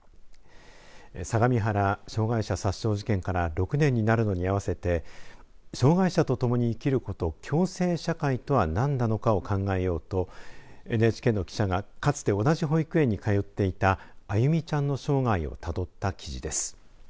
相模原障害者殺傷事件から２６年になるのに合わせて障害者と共に生きること共生社会とは何なのかを考えようとＮＨＫの記者がかつて同じ保育園に通っていたあゆみちゃんの生涯をたどった記事です。